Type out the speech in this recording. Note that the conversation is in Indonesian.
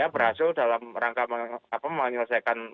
berhasil dalam rangka menyelesaikan